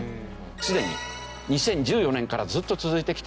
すでに２０１４年からずっと続いてきた。